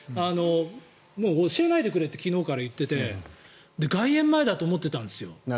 もう教えないでくれって昨日から言っていて外苑前だと思っていたんですよ。